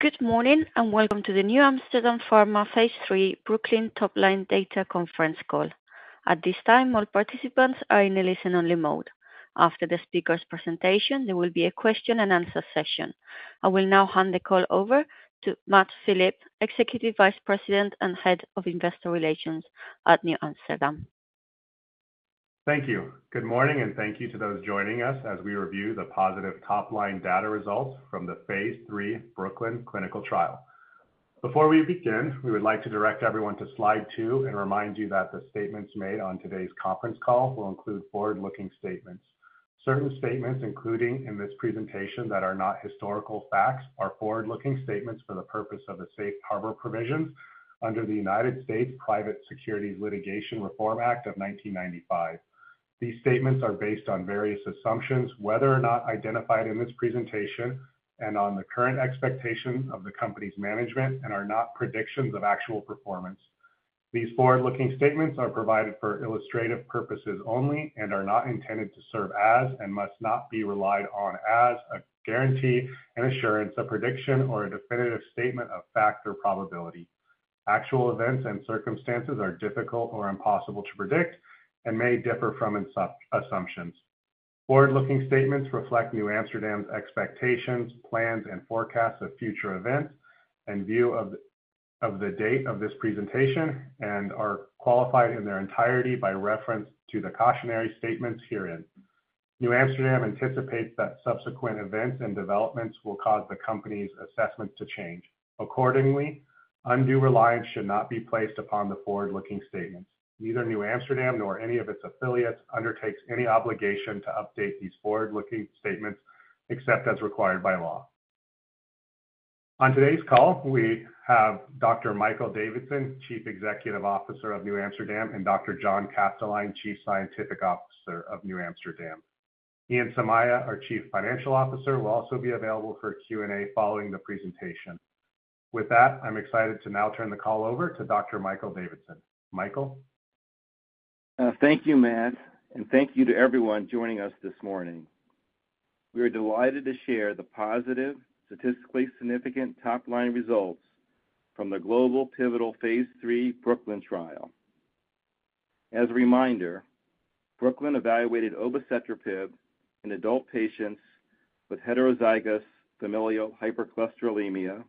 Good morning, and welcome to the NewAmsterdam Pharma Phase III BROOKLYN Top Line Data Conference Call. At this time, all participants are in a listen-only mode. After the speaker's presentation, there will be a question-and-answer session. I will now hand the call over to Matt Philippe, Executive Vice President and Head of Investor Relations at NewAmsterdam. Thank you. Good morning, and thank you to those joining us as we review the positive top-line data results from the Phase III BROOKLYN clinical trial. Before we begin, we would like to direct everyone to slide two and remind you that the statements made on today's conference call will include forward-looking statements. Certain statements, including in this presentation, that are not historical facts, are forward-looking statements for the purpose of the Safe Harbor Provisions under the United States Private Securities Litigation Reform Act of 1995. These statements are based on various assumptions, whether or not identified in this presentation and on the current expectation of the company's management and are not predictions of actual performance. These forward-looking statements are provided for illustrative purposes only and are not intended to serve as, and must not be relied on as, a guarantee, an assurance, a prediction, or a definitive statement of fact or probability. Actual events and circumstances are difficult or impossible to predict and may differ from assumptions. Forward-looking statements reflect NewAmsterdam's expectations, plans, and forecasts of future events in view of, of the date of this presentation and are qualified in their entirety by reference to the cautionary statements herein. NewAmsterdam anticipates that subsequent events and developments will cause the company's assessments to change. Accordingly, undue reliance should not be placed upon the forward-looking statements. Neither NewAmsterdam nor any of its affiliates undertakes any obligation to update these forward-looking statements, except as required by law. On today's call, we have Dr. Michael Davidson, Chief Executive Officer of NewAmsterdam, and Dr. John Kastelein, Chief Scientific Officer of NewAmsterdam. Ian Somaiya, our Chief Financial Officer, will also be available for Q&A following the presentation. With that, I'm excited to now turn the call over to Dr. Michael Davidson. Michael? Thank you, Matt, and thank you to everyone joining us this morning. We are delighted to share the positive, statistically significant top-line results from the global pivotal Phase III BROOKLYN trial. As a reminder, BROOKLYN evaluated obicetrapib in adult patients with heterozygous familial hypercholesterolemia,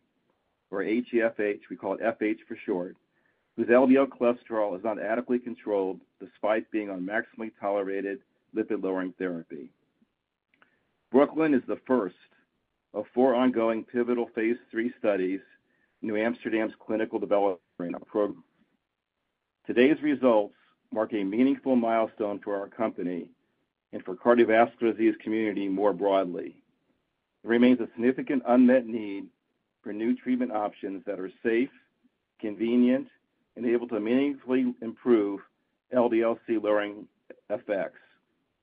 or HeFH, we call it FH for short, whose LDL cholesterol is not adequately controlled despite being on maximally tolerated lipid-lowering therapy. BROOKLYN is the first of four ongoing pivotal Phase III studies in NewAmsterdam's clinical development program. Today's results mark a meaningful milestone for our company and for cardiovascular disease community more broadly. It remains a significant unmet need for new treatment options that are safe, convenient, and able to meaningfully improve LDL-C lowering effects,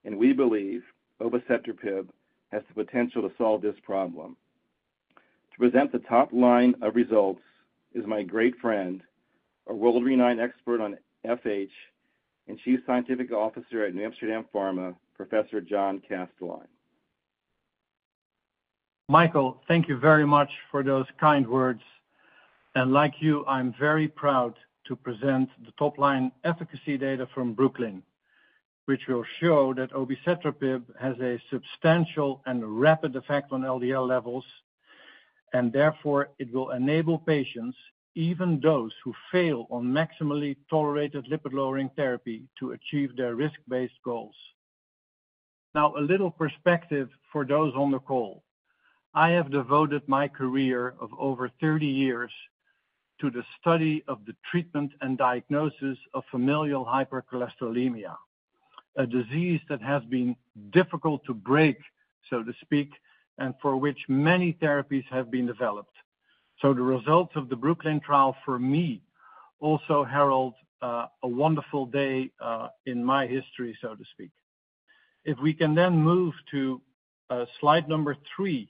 and we believe obicetrapib has the potential to solve this problem. To present the top line of results is my great friend, a world-renowned expert on FH and Chief Scientific Officer at NewAmsterdam Pharma, Professor John Kastelein. Michael, thank you very much for those kind words, and like you, I'm very proud to present the top-line efficacy data from BROOKLYN, which will show that obicetrapib has a substantial and rapid effect on LDL levels, and therefore, it will enable patients, even those who fail on maximally tolerated lipid-lowering therapy, to achieve their risk-based goals. Now, a little perspective for those on the call. I have devoted my career of over 30 years to the study of the treatment and diagnosis of familial hypercholesterolemia, a disease that has been difficult to break, so to speak, and for which many therapies have been developed. So the results of the BROOKLYN trial for me also herald a wonderful day in my history, so to speak. If we can then move to slide number three,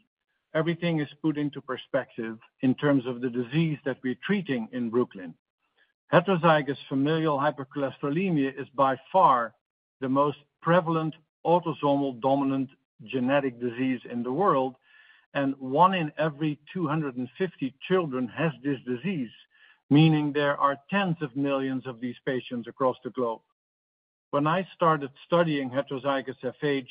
everything is put into perspective in terms of the disease that we're treating in BROOKLYN. Heterozygous familial hypercholesterolemia is by far the most prevalent autosomal dominant genetic disease in the world, and one in every 250 children has this disease, meaning there are tens of millions of these patients across the globe. When I started studying heterozygous FH,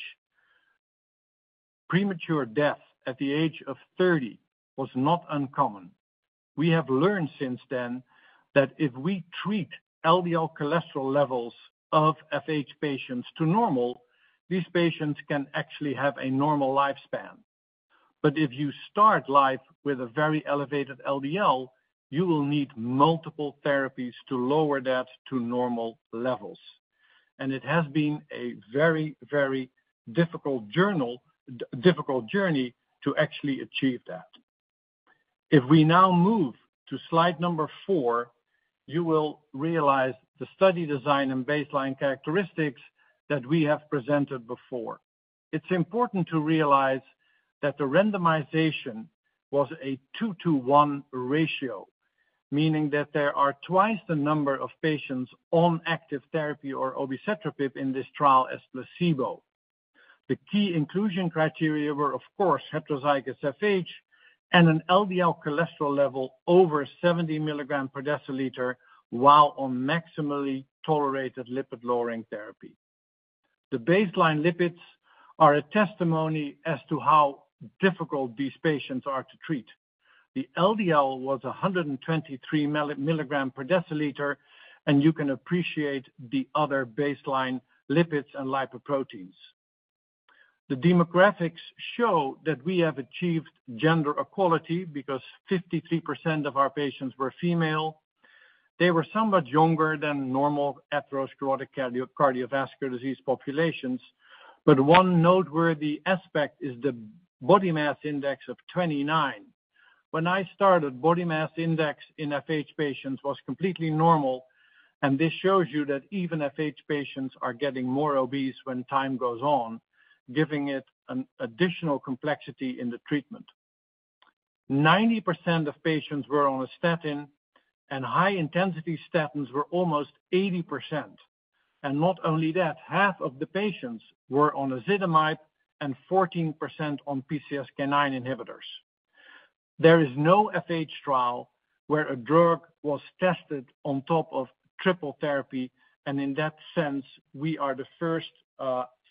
premature death at the age of 30 was not uncommon. We have learned since then that if we treat LDL cholesterol levels of FH patients to normal, these patients can actually have a normal lifespan. But if you start life with a very elevated LDL, you will need multiple therapies to lower that to normal levels. And it has been a very, very difficult journey to actually achieve that. If we now move to slide number four, you will realize the study design and baseline characteristics that we have presented before. It's important to realize that the randomization was a 2 to 1 ratio, meaning that there are twice the number of patients on active therapy or obicetrapib in this trial as placebo. The key inclusion criteria were, of course, heterozygous FH and an LDL cholesterol level over 70 mg/dL while on maximally tolerated lipid-lowering therapy. The baseline lipids are a testimony as to how difficult these patients are to treat. The LDL was 123 mg/dL, and you can appreciate the other baseline lipids and lipoproteins. The demographics show that we have achieved gender equality because 53% of our patients were female. They were somewhat younger than normal atherosclerotic cardiovascular disease populations, but one noteworthy aspect is the body mass index of 29. When I started, body mass index in FH patients was completely normal, and this shows you that even FH patients are getting more obese when time goes on, giving it an additional complexity in the treatment. 90% of patients were on a statin, and high-intensity statins were almost 80%. And not only that, half of the patients were on ezetimibe and 14% on PCSK9 inhibitors. There is no FH trial where a drug was tested on top of triple therapy, and in that sense, we are the first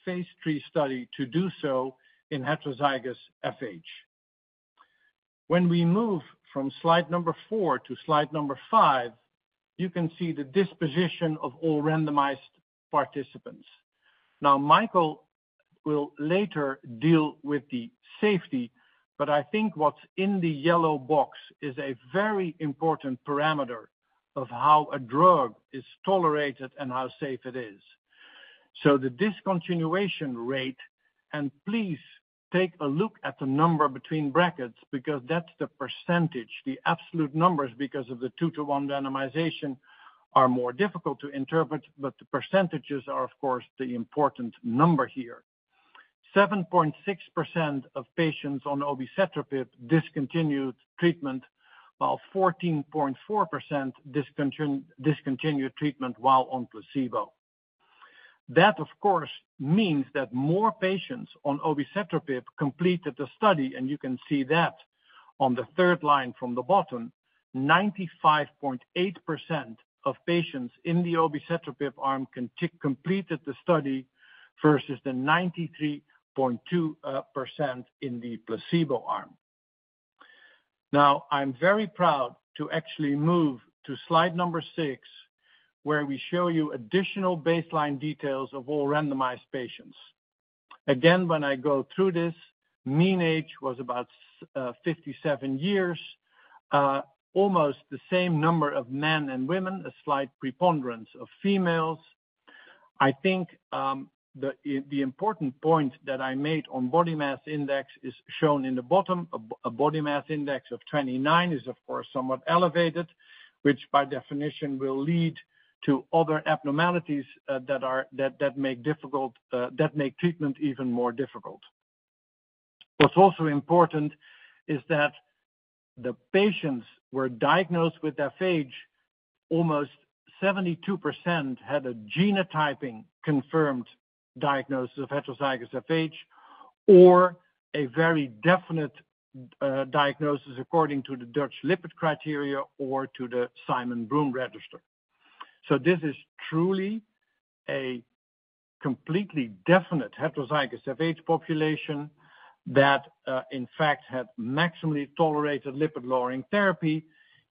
phase III study to do so in heterozygous FH. When we move from slide four to slide five, you can see the disposition of all randomized participants. Now, Michael will later deal with the safety, but I think what's in the yellow box is a very important parameter of how a drug is tolerated and how safe it is. So the discontinuation rate, and please take a look at the number between brackets, because that's the percentage. The absolute numbers, because of the 2 to 1 randomization, are more difficult to interpret, but the percentages are, of course, the important number here. 7.6% of patients on obicetrapib discontinued treatment, while 14.4% discontinued, discontinued treatment while on placebo. That, of course, means that more patients on obicetrapib completed the study, and you can see that on the third line from the bottom. 95.8% of patients in the obicetrapib arm completed the study, versus the 93.2% in the placebo arm. Now, I'm very proud to actually move to slide number six, where we show you additional baseline details of all randomized patients. Again, when I go through this, mean age was about 57 years, almost the same number of men and women, a slight preponderance of females. I think, the important point that I made on body mass index is shown in the bottom. A body mass index of 29 is, of course, somewhat elevated, which, by definition, will lead to other abnormalities that make treatment even more difficult. What's also important is that the patients were diagnosed with FH, almost 72% had a genotyping confirmed diagnosis of heterozygous FH, or a very definite diagnosis according to the Dutch lipid criteria or to the Simon Broome Register. So this is truly a completely definite heterozygous FH population that, in fact, had maximally tolerated lipid-lowering therapy.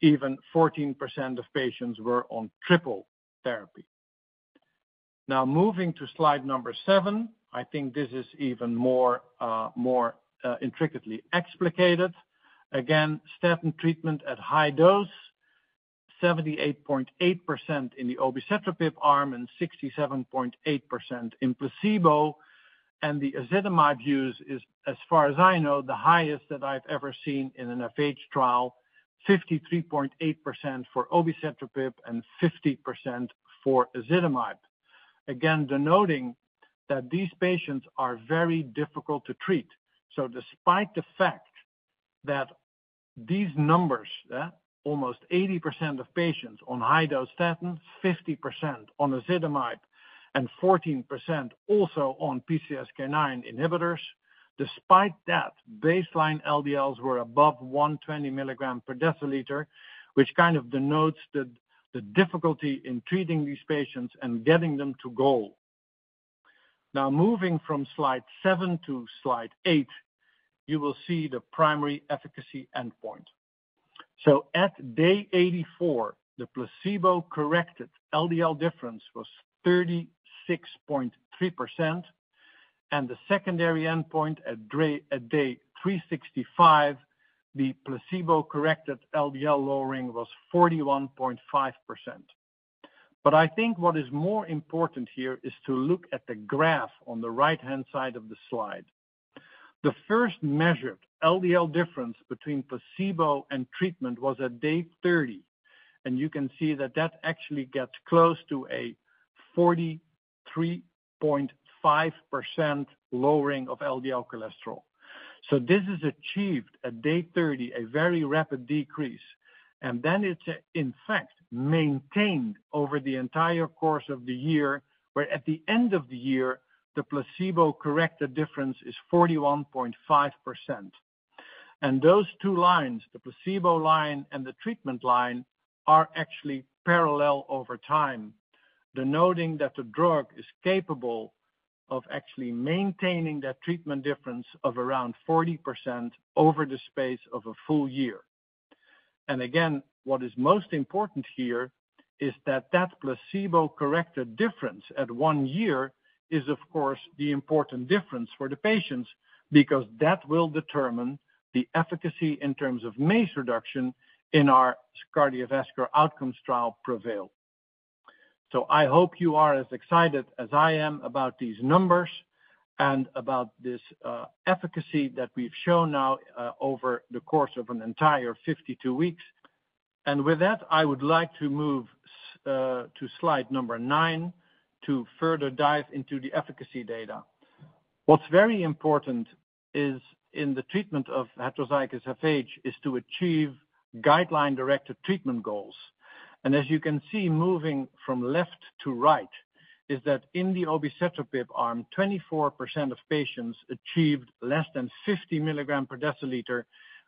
Even 14% of patients were on triple therapy. Now, moving to slide number seven, I think this is even more intricately explicated. Again, statin treatment at high dose, 78.8% in the obicetrapib arm and 67.8% in placebo. And the ezetimibe use is, as far as I know, the highest that I've ever seen in an FH trial, 53.8% for obicetrapib and 50% for ezetimibe. Again, denoting that these patients are very difficult to treat. So despite the fact that these numbers, almost 80% of patients on high-dose statins, 50% on ezetimibe, and 14% also on PCSK9 inhibitors, despite that, baseline LDLs were above 120 mg/dL, which kind of denotes the difficulty in treating these patients and getting them to goal. Now, moving from slide seven to slide eight, you will see the primary efficacy endpoint. So at day 84, the placebo-corrected LDL difference was 36.3%, and the secondary endpoint at day 365, the placebo-corrected LDL lowering was 41.5%. But I think what is more important here is to look at the graph on the right-hand side of the slide. The first measured LDL difference between placebo and treatment was at day 30, and you can see that that actually gets close to a 43.5% lowering of LDL cholesterol. So this is achieved at day 30, a very rapid decrease, and then it's, in fact, maintained over the entire course of the year, where at the end of the year, the placebo-corrected difference is 41.5%. And those two lines, the placebo line and the treatment line, are actually parallel over time, denoting that the drug is capable of actually maintaining that treatment difference of around 40% over the space of a full year. And again, what is most important here is that, that placebo-corrected difference at one year is, of course, the important difference for the patients, because that will determine the efficacy in terms of MACE reduction in our cardiovascular outcomes trial PREVAIL. So I hope you are as excited as I am about these numbers and about this, efficacy that we've shown now, over the course of an entire 52 weeks. And with that, I would like to move, to slide number nine to further dive into the efficacy data. What's very important is in the treatment of heterozygous FH, is to achieve guideline-directed treatment goals. And as you can see, moving from left to right, is that in the obicetrapib arm, 24% of patients achieved less than 50 mg/dL,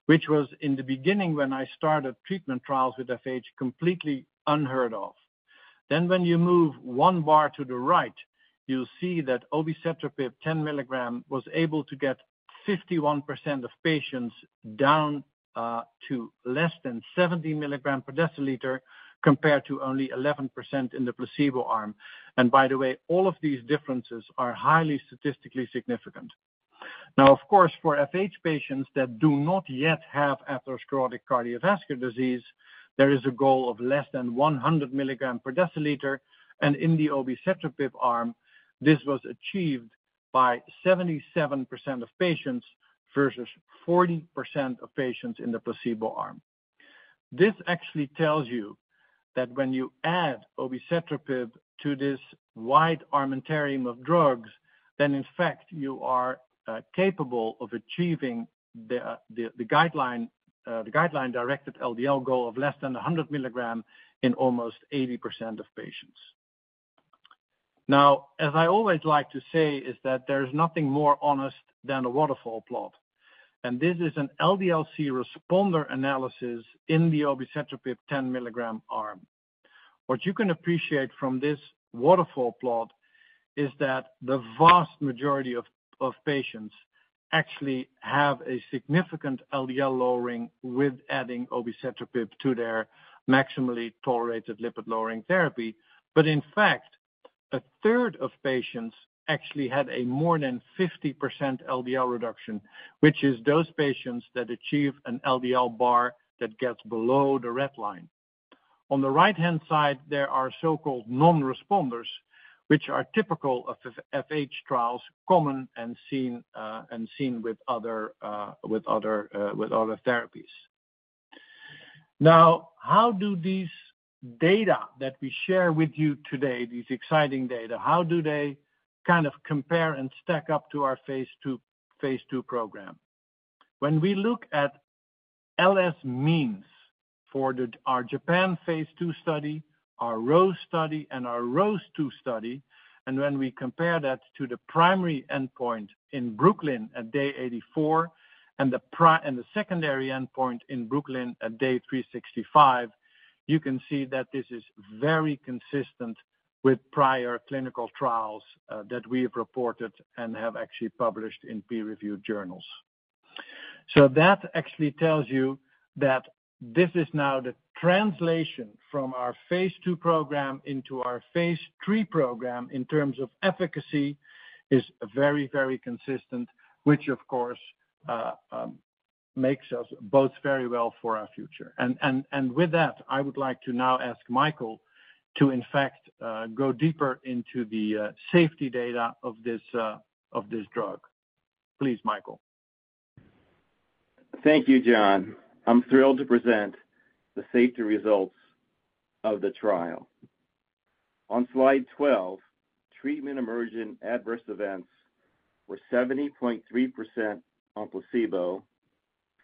which was in the beginning, when I started treatment trials with FH, completely unheard of. Then when you move one bar to the right, you'll see that obicetrapib 10 mg was able to get 51% of patients down to less than 70 mg/dL, compared to only 11% in the placebo arm. And by the way, all of these differences are highly statistically significant. Now, of course, for FH patients that do not yet have atherosclerotic cardiovascular disease, there is a goal of less than 100 mg/dL, and in the obicetrapib arm, this was achieved by 77% of patients versus 40% of patients in the placebo arm. This actually tells you that when you add obicetrapib to this wide armamentarium of drugs, then in fact, you are capable of achieving the guideline-directed LDL goal of less than 100 milligrams in almost 80% of patients. Now, as I always like to say, is that there is nothing more honest than a waterfall plot, and this is an LDL-C responder analysis in the obicetrapib 10 milligram arm. What you can appreciate from this waterfall plot is that the vast majority of patients actually have a significant LDL lowering with adding obicetrapib to their maximally tolerated lipid-lowering therapy. But in fact, a third of patients actually had a more than 50% LDL reduction, which is those patients that achieve an LDL bar that gets below the red line. On the right-hand side, there are so-called non-responders, which are typical of FH trials, common and seen with other therapies. Now, how do these data that we share with you today, these exciting data, how do they kind of compare and stack up to our phase II program? When we look at LS means for our Japan phase II study, our ROSE study, and our ROSE II study, and when we compare that to the primary endpoint in BROOKLYN at day 84, and the secondary endpoint in BROOKLYN at day 365, you can see that this is very consistent with prior clinical trials that we have reported and have actually published in peer-reviewed journals. That actually tells you that this is now the translation from our phase II program into our phase III program, in terms of efficacy, is very, very consistent, which of course makes us both very well for our future. With that, I would like to now ask Michael to, in fact, go deeper into the safety data of this drug. Please, Michael. Thank you, John. I'm thrilled to present the safety results of the trial. On slide 12,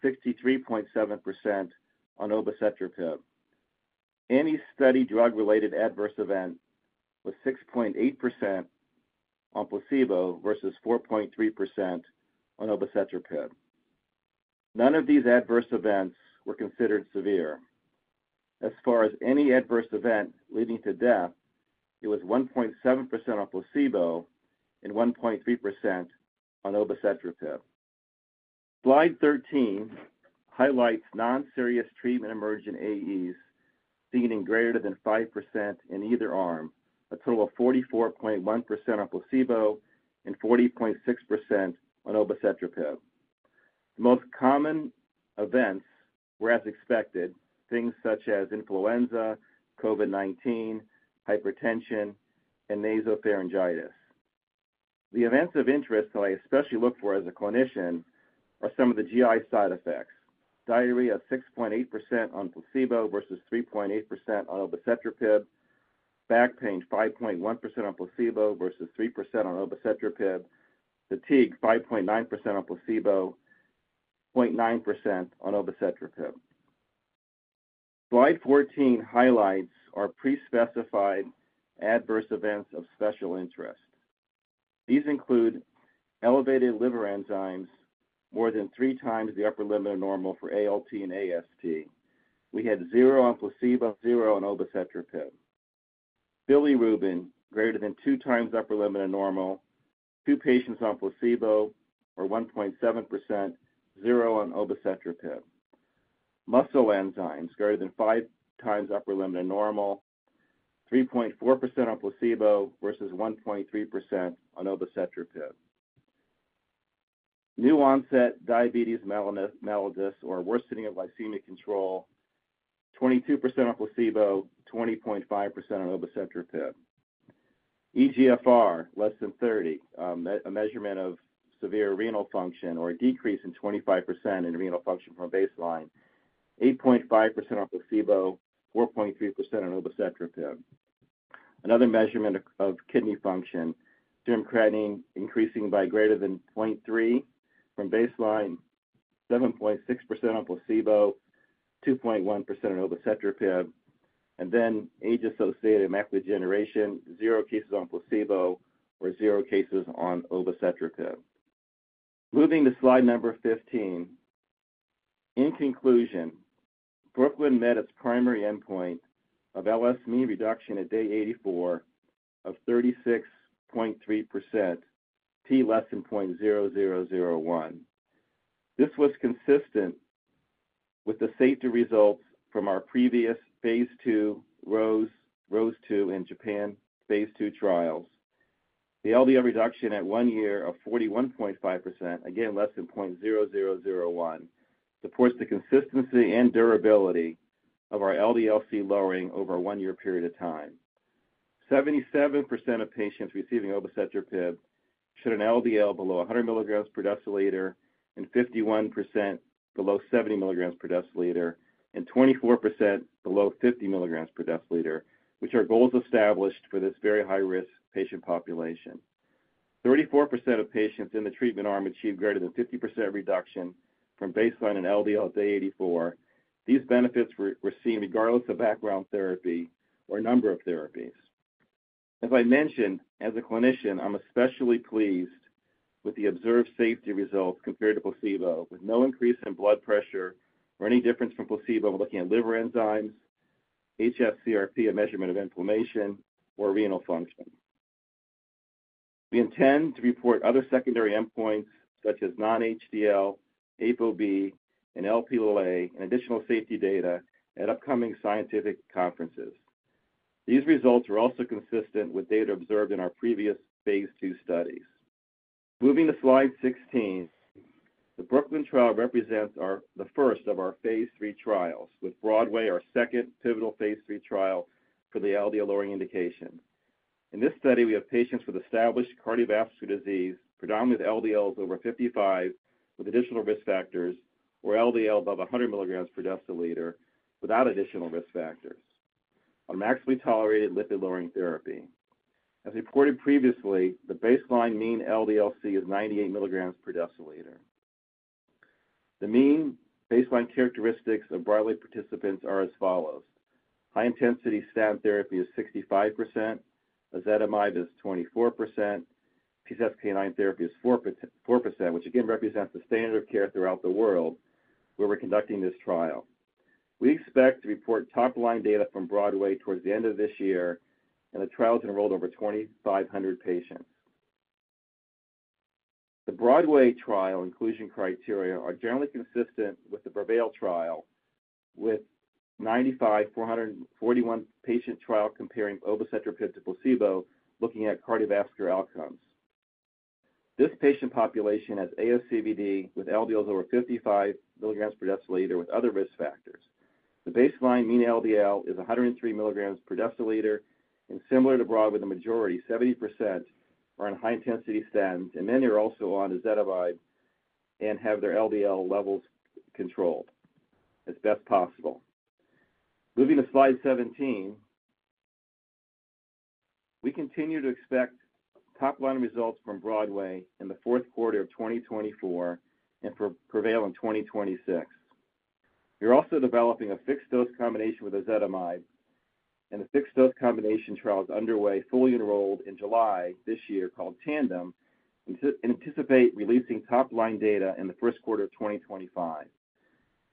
treatment-emergent adverse events were 70.3% on placebo, 63.7% on obicetrapib. Any study drug-related adverse event was 6.8% on placebo versus 4.3% on obicetrapib. None of these adverse events were considered severe. As far as any adverse event leading to death, it was 1.7% on placebo and 1.3% on obicetrapib. Slide 13 highlights non-serious treatment-emergent AEs, seeing in greater than 5% in either arm, a total of 44.1% on placebo and 40.6% on obicetrapib. The most common events were as expected, things such as influenza, COVID-19, hypertension, and nasopharyngitis. The events of interest, and I especially look for as a clinician, are some of the GI side effects. Diarrhea, 6.8% on placebo versus 3.8% on obicetrapib. Back pain, 5.1% on placebo versus 3% on obicetrapib. Fatigue, 5.9% on placebo, 0.9% on obicetrapib. Slide 14 highlights our pre-specified adverse events of special interest. These include elevated liver enzymes, more than three times the upper limit of normal for ALT and AST. We had zero on placebo, zero on obicetrapib. Bilirubin greater than 2x the upper limit of normal, 2 patients on placebo, or 1.7%, zero on obicetrapib. Muscle enzymes greater than 5x the upper limit of normal, 3.4% on placebo versus 1.3% on obicetrapib. New-onset diabetes mellitus or worsening of glycemic control, 22% on placebo, 20.5% on obicetrapib. eGFR <30, a measurement of severe renal function or a decrease in 25% in renal function from baseline, 8.5% on placebo, 4.3% on obicetrapib. Another measurement of kidney function, serum creatinine increasing by >0.3 from baseline, 7.6% on placebo, 2.1% on obicetrapib. And then age-associated macular degeneration, 0 cases on placebo or 0 cases on obicetrapib. Moving to slide 15. In conclusion, BROOKLYN met its primary endpoint of LS mean reduction at day 84 of 36.3%, P<0.0001. This was consistent with the safety results from our previous phase II ROSE, ROSE II in Japan, phase II trials. The LDL reduction at one year of 41.5%, again, less than 0.001, supports the consistency and durability of our LDL-C lowering over a one-year period of time. 77% of patients receiving obicetrapib had an LDL below 100 mg/dL, and 51% below 70 mg/dL, and 24% below 50 mg/dL, which are goals established for this very high-risk patient population. 34% of patients in the treatment arm achieved greater than 50% reduction from baseline and LDL at day 84. These benefits were seen regardless of background therapy or number of therapies. As I mentioned, as a clinician, I'm especially pleased with the observed safety results compared to placebo, with no increase in blood pressure or any difference from placebo, looking at liver enzymes, hs-CRP, a measurement of inflammation or renal function. We intend to report other secondary endpoints, such as non-HDL, ApoB, and Lp(a), and additional safety data at upcoming scientific conferences. These results are also consistent with data observed in our previous phase II studies. Moving to slide 16. The BROOKLYN trial represents the first of our phase III trials, with BROADWAY, our second pivotal phase III trial for the LDL lowering indication. In this study, we have patients with established cardiovascular disease, predominantly with LDLs over 55, with additional risk factors, or LDL above 100 mg/dL without additional risk factors, on maximally tolerated lipid-lowering therapy. As reported previously, the baseline mean LDL-C is 98 mg/dL. The mean baseline characteristics of BROADWAY participants are as follows: high-intensity statin therapy is 65%, ezetimibe is 24%, PCSK9 therapy is 4%, which again represents the standard of care throughout the world where we're conducting this trial. We expect to report top-line data from BROADWAY towards the end of this year, and the trial's enrolled over 2,500 patients. The BROADWAY trial inclusion criteria are generally consistent with the PREVAIL trial, with a 95,441-patient trial comparing obicetrapib to placebo, looking at cardiovascular outcomes. This patient population has ASCVD with LDLs over 55 mg/dL with other risk factors. The baseline mean LDL is 103 mg/dL, and similar to BROADWAY, the majority, 70%, are on high-intensity statins, and many are also on ezetimibe and have their LDL levels controlled as best possible. Moving to slide 17. We continue to expect top-line results from BROADWAY in the fourth quarter of 2024 and for PREVAIL in 2026. We're also developing a fixed-dose combination with ezetimibe, and a fixed-dose combination trial is underway, fully enrolled in July this year, called TANDEM. We anticipate releasing top-line data in the first quarter of 2025.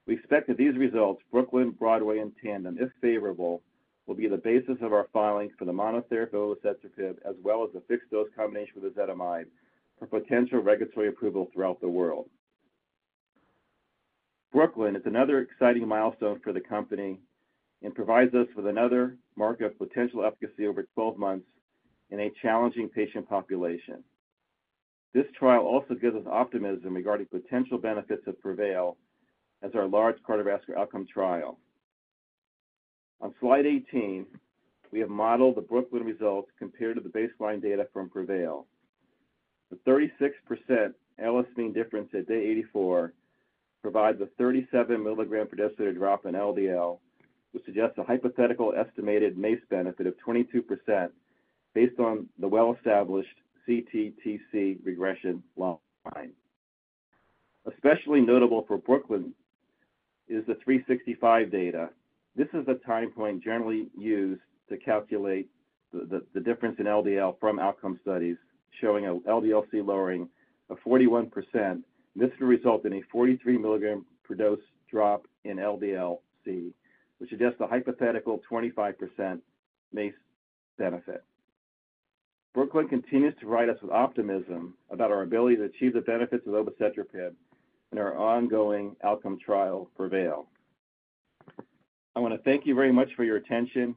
We expect that these results, BROOKLYN, BROADWAY, and TANDEM, if favorable, will be the basis of our filings for the monotherapy obicetrapib, as well as the fixed-dose combination with ezetimibe, for potential regulatory approval throughout the world. BROOKLYN is another exciting milestone for the company and provides us with another mark of potential efficacy over 12 months in a challenging patient population. This trial also gives us optimism regarding potential benefits of PREVAIL as our large cardiovascular outcome trial. On slide 18, we have modeled the BROOKLYN results compared to the baseline data from PREVAIL. The 36% LS mean difference at day 84 provides a 37 milligram per dose drop in LDL, which suggests a hypothetical estimated MACE benefit of 22% based on the well-established CTTC regression line. Especially notable for BROOKLYN is the 365 data. This is the time point generally used to calculate the difference in LDL from outcome studies, showing an LDL-C lowering of 41%. This will result in a 43 milligram per dose drop in LDL-C, which suggests a hypothetical 25% MACE benefit. BROOKLYN continues to write us with optimism about our ability to achieve the benefits of obicetrapib in our ongoing outcome trial, PREVAIL. I want to thank you very much for your attention.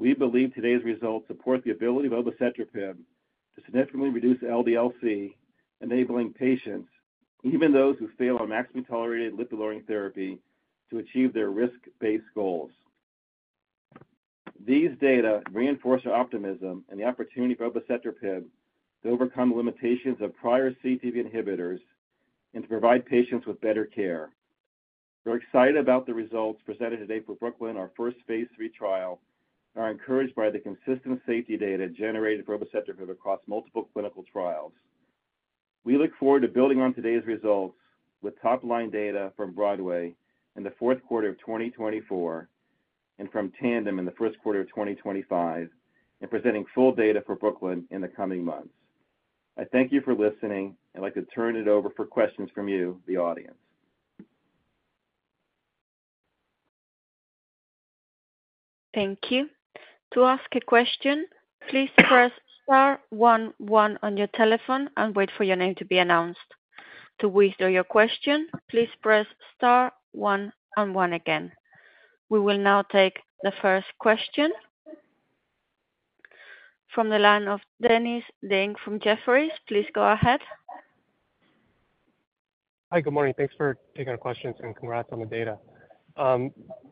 We believe today's results support the ability of obicetrapib to significantly reduce LDL-C, enabling patients, even those who fail on maximum tolerated lipid-lowering therapy, to achieve their risk-based goals. These data reinforce our optimism and the opportunity for obicetrapib to overcome limitations of prior CETP inhibitors and to provide patients with better care. We're excited about the results presented today for BROOKLYN, our first phase III trial, and are encouraged by the consistent safety data generated for obicetrapib across multiple clinical trials. We look forward to building on today's results with top-line data from BROADWAY in the fourth quarter of 2024, and from TANDEM in the first quarter of 2025, and presenting full data for BROOKLYN in the coming months. I thank you for listening. I'd like to turn it over for questions from you, the audience. Thank you. To ask a question, please press star one, one on your telephone and wait for your name to be announced. To withdraw your question, please press star one and one again. We will now take the first question. From the line of Dennis Ding from Jefferies. Please go ahead. Hi, good morning. Thanks for taking our questions, and congrats on the data.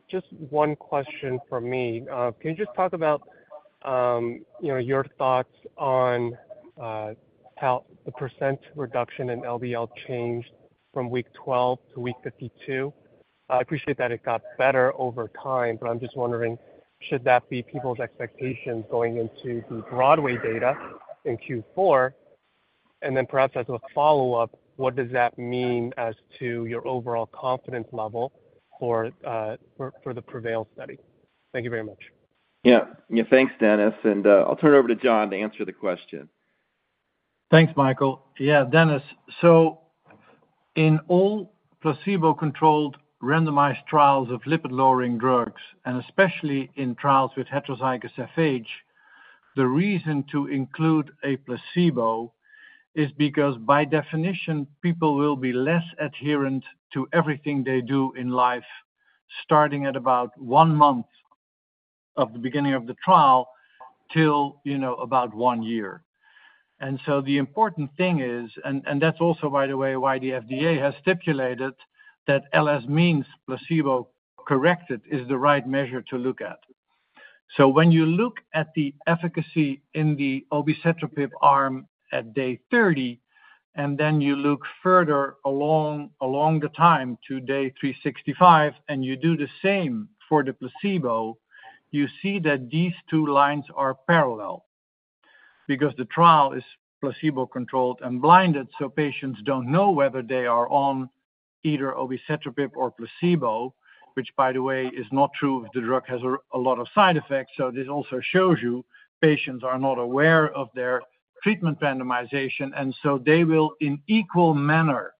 Just one question from me. Can you just talk about, you know, your thoughts on, how thepercent reduction in LDL changed from week 12 to week 52? I appreciate that it got better over time, but I'm just wondering, should that be people's expectations going into the BROADWAY data in Q4? And then perhaps as a follow-up, what does that mean as to your overall confidence level for the PREVAIL study? Thank you very much. Yeah. Yeah, thanks, Dennis. I'll turn it over to John to answer the question. Thanks, Michael. Yeah, Dennis, so in all placebo-controlled randomized trials of lipid-lowering drugs, and especially in trials with heterozygous FH, the reason to include a placebo is because, by definition, people will be less adherent to everything they do in life, starting at about one month of the beginning of the trial till, you know, about one year. And so the important thing is, and that's also, by the way, why the FDA has stipulated that LS means placebo-corrected is the right measure to look at. So when you look at the efficacy in the obicetrapib arm at day 30, and then you look further along the time to day 365, and you do the same for the placebo, you see that these two lines are parallel because the trial is placebo-controlled and blinded, so patients don't know whether they are on either obicetrapib or placebo, which, by the way, is not true if the drug has a lot of side effects. So this also shows you patients are not aware of their treatment randomization, and so they will, in equal manner,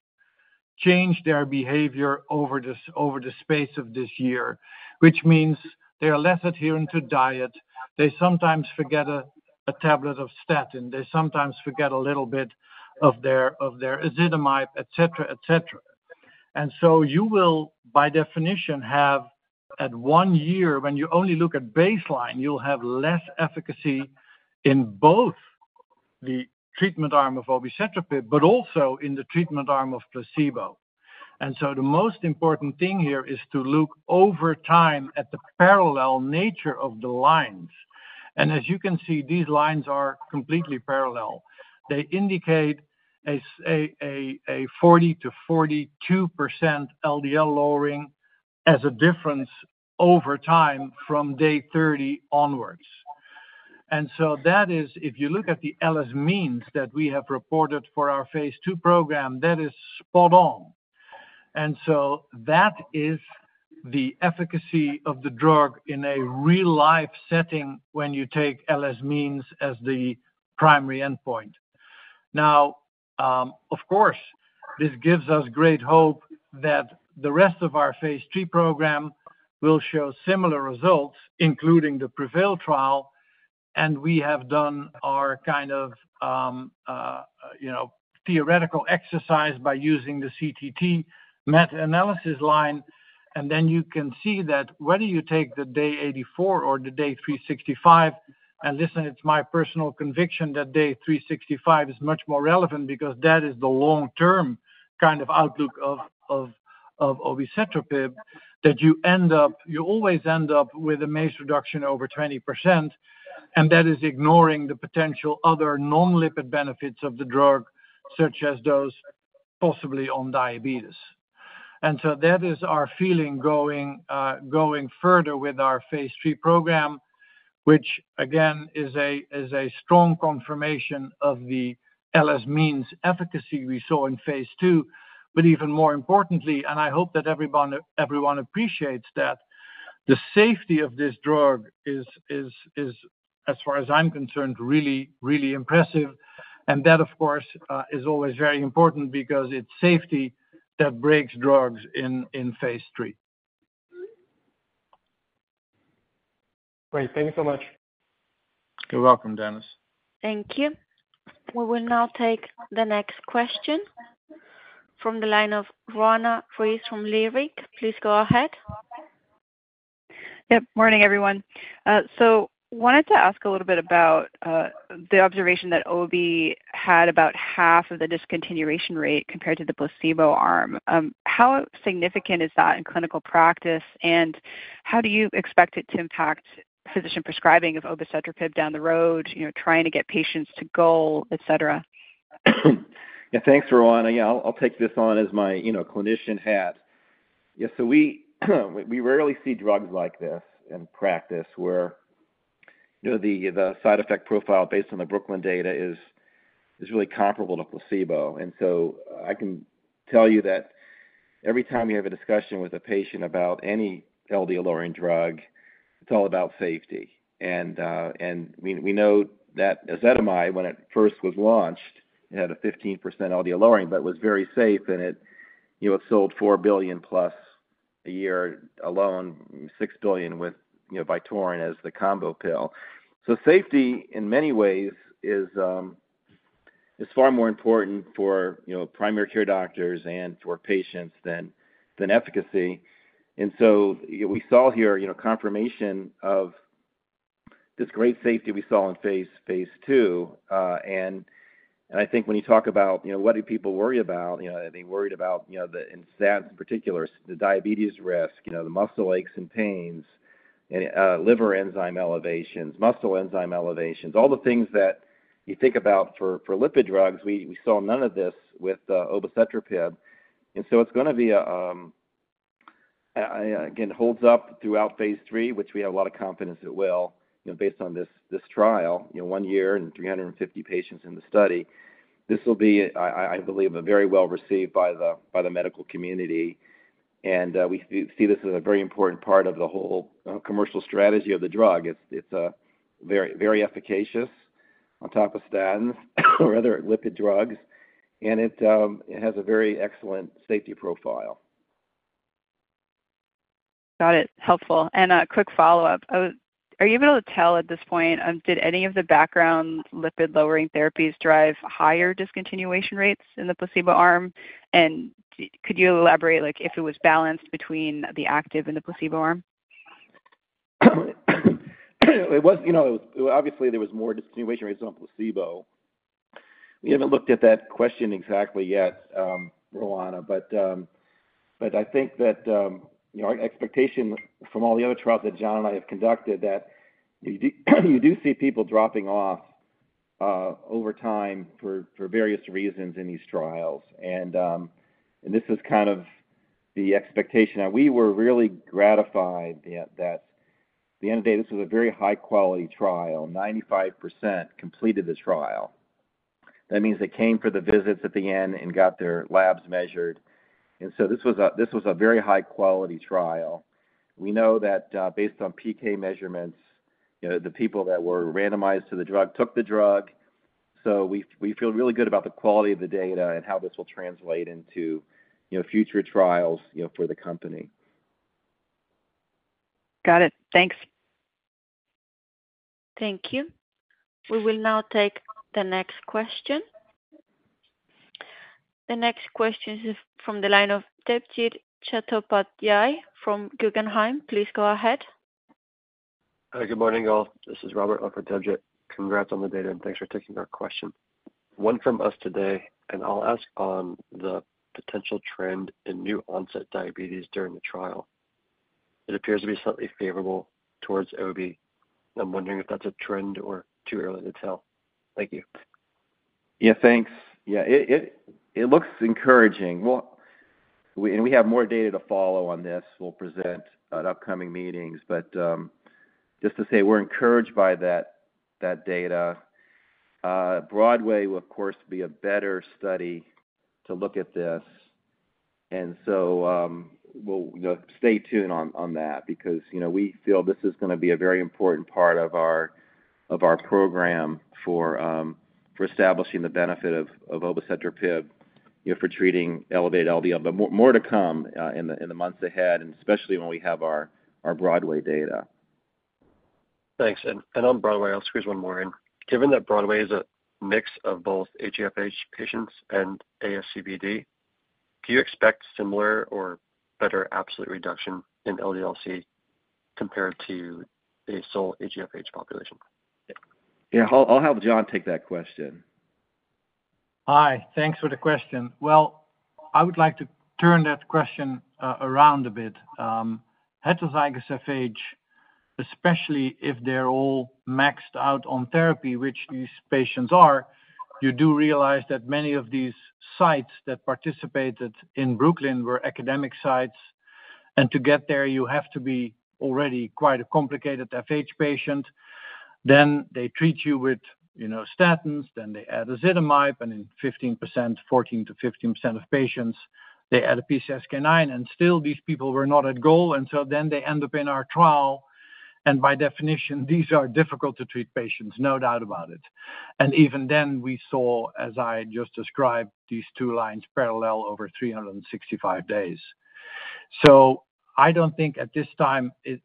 change their behavior over the space of this year, which means they are less adherent to diet. They sometimes forget a tablet of statin. They sometimes forget a little bit of their ezetimibe, et cetera, et cetera. You will, by definition, have at one year, when you only look at baseline, you'll have less efficacy in both the treatment arm of obicetrapib, but also in the treatment arm of placebo. The most important thing here is to look over time at the parallel nature of the lines. As you can see, these lines are completely parallel. They indicate a 40%-42% LDL lowering as a difference over time from day 30 onwards. That is, if you look at the LS means that we have reported for our phase II program, that is spot on. That is the efficacy of the drug in a real-life setting when you take LS means as the primary endpoint. Now, of course, this gives us great hope that the rest of our phase III program will show similar results, including the PREVAIL trial, and we have done our kind of, you know, theoretical exercise by using the CTT meta-analysis line. Then you can see that whether you take the day 84 or the day 365, and listen, it's my personal conviction that day 365 is much more relevant because that is the long-term kind of outlook of obicetrapib, that you end up, you always end up with a MACE reduction over 20%, and that is ignoring the potential other non-lipid benefits of the drug, such as those possibly on diabetes. And so that is our feeling going, going further with our phase III program, which, again, is a, is a strong confirmation of the LS means efficacy we saw in phase II. But even more importantly, and I hope that everyone, everyone appreciates that, the safety of this drug is, as far as I'm concerned, really, really impressive. And that, of course, is always very important because it's safety that breaks drugs in phase III. Great. Thank you so much. You're welcome, Dennis. Thank you. We will now take the next question from the line of Roanna Ruiz from Leerink. Please go ahead. Yep, morning, everyone. So wanted to ask a little bit about the observation that OB had about half of the discontinuation rate compared to the placebo arm. How significant is that in clinical practice, and how do you expect it to impact physician prescribing of obicetrapib down the road, you know, trying to get patients to goal, et cetera? Yeah, thanks, Roanna. Yeah, I'll, I'll take this on as my, you know, clinician hat. Yeah, so we rarely see drugs like this in practice where, you know, the side effect profile based on the BROOKLYN data is really comparable to placebo. And so I can tell you that every time you have a discussion with a patient about any LDL lowering drug, it's all about safety. And we know that ezetimibe, when it first was launched, it had a 15% LDL lowering, but was very safe, and it, you know, it sold $4 billion-plus a year alone, $6 billion with, you know, Vytorin as the combo pill. So safety, in many ways, is far more important for, you know, primary care doctors and for patients than efficacy. So we saw here, you know, confirmation of this great safety we saw in phase II. And I think when you talk about, you know, what do people worry about? You know, they worried about, you know, the in statins, in particular, the diabetes risk, you know, the muscle aches and pains, and liver enzyme elevations, muscle enzyme elevations, all the things that you think about for lipid drugs. We saw none of this with obicetrapib. And so it's gonna be a again, holds up throughout phase III, which we have a lot of confidence it will, you know, based on this trial, you know, one year and 350 patients in the study. This will be, I believe, a very well received by the medical community. We see this as a very important part of the whole commercial strategy of the drug. It's very, very efficacious on top of statins or other lipid drugs, and it has a very excellent safety profile. Got it. Helpful. And a quick follow-up. Are you able to tell at this point, did any of the background lipid-lowering therapies drive higher discontinuation rates in the placebo arm? And could you elaborate, like, if it was balanced between the active and the placebo arm? It was... You know, obviously, there was more discontinuation rates on placebo. We haven't looked at that question exactly yet, Roanna. But, but I think that, you know, our expectation from all the other trials that John and I have conducted, that you do, you do see people dropping off over time for, for various reasons in these trials. And, and this is kind of the expectation. Now, we were really gratified that, that at the end of the day, this was a very high-quality trial. 95% completed the trial. That means they came for the visits at the end and got their labs measured. And so this was a, this was a very high-quality trial. We know that, based on PK measurements, you know, the people that were randomized to the drug took the drug. So we feel really good about the quality of the data and how this will translate into, you know, future trials, you know, for the company. Got it. Thanks. Thank you. We will now take the next question. The next question is from the line of Debjit Chattopadhyay from Guggenheim. Please go ahead. Hi, good morning, all. This is Robert, for Debjit. Congrats on the data, and thanks for taking our question. One from us today, and I'll ask on the potential trend in new-onset diabetes during the trial. It appears to be slightly favorable towards OB. I'm wondering if that's a trend or too early to tell. Thank you. Yeah, thanks. Yeah, it looks encouraging. Well, we have more data to follow on this. We'll present at upcoming meetings, but just to say we're encouraged by that data. BROADWAY will, of course, be a better study to look at this. And so, we'll, you know, stay tuned on that because, you know, we feel this is gonna be a very important part of our program for establishing the benefit of obicetrapib, you know, for treating elevated LDL. But more to come in the months ahead, and especially when we have our BROADWAY data. Thanks. And on BROADWAY, I'll squeeze one more in. Given that BROADWAY is a mix of both HFH patients and ASCVD, do you expect similar or better absolute reduction in LDL-C compared to a sole HFH population? Yeah, I'll have John take that question. Hi, thanks for the question. Well, I would like to turn that question around a bit. Heterozygous FH, especially if they're all maxed out on therapy, which these patients are, you do realize that many of these sites that participated in BROOKLYN were academic sites, and to get there, you have to be already quite a complicated FH patient. Then they treat you with, you know, statins, then they add ezetimibe, and in 15%, 14%-15% of patients, they add a PCSK9, and still these people were not at goal, and so then they end up in our trial. And by definition, these are difficult to treat patients, no doubt about it. Even then, we saw, as I just described, these two lines parallel over 365 days. So I don't think at this time it